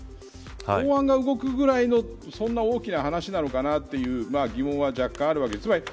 公安が動くぐらいのそんな大きな話なのかなという疑問は若干あります。